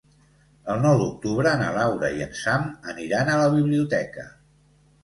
El nou d'octubre na Laura i en Sam aniran a la biblioteca.